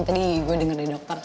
tadi gue denger dari dokter